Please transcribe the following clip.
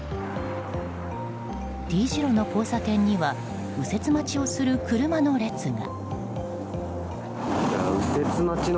Ｔ字路の交差点には右折待ちをする車の列が。